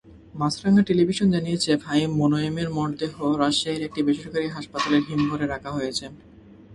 মাছরাঙা television জানিয়েছে, ফাহিম মুনয়েমের মরদেহ রাজধানীর একটি বেসরকারি হাসপাতালের হিমঘরে রাখা হয়েছে।